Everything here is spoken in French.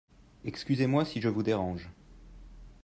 Excusez-moi si je vous dérange.